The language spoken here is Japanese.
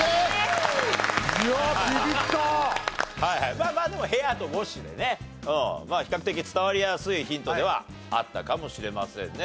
まあまあでも「ｈａｉｒ」と「ｗａｓｈ」でねまあ比較的伝わりやすいヒントではあったかもしれませんね。